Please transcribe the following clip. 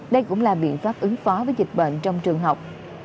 đây cũng là biện pháp ứng phó với dịch bệnh trong trường học